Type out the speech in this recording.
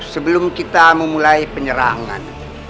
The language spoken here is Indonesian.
sebelum kita memulai penyerangan